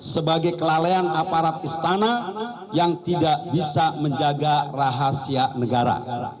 sebagai kelalaian aparat istana yang tidak bisa menjaga rahasia negara